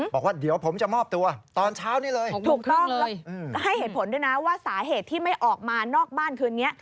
บอกว่าเดี๋ยวผมจะมอบตัวตอนเช้านี้เลยถูกต้องแล้วก็ให้เหตุผลด้วยนะว่าสาเหตุที่ไม่ออกมานอกบ้านคืนนี้